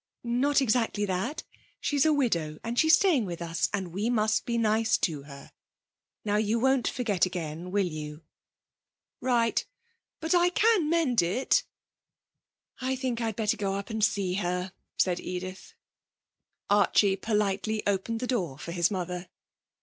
'Not exactly that. She's a widow, and she's staying with us, and we must be nice to her. Now, you won't forget again, will you?' 'Right. But I can mend it.' 'I think I'd better go up and see her,' said Edith. Archie politely opened the door for his mother.